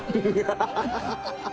ハハハハ！